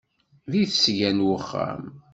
Deg tesga n uxxam.